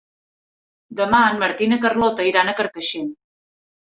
Demà en Martí i na Carlota iran a Carcaixent.